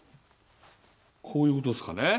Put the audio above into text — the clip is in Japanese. こういうことですかね。